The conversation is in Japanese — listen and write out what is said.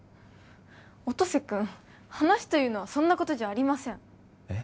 音瀬君話というのはそんなことじゃありませんえっ？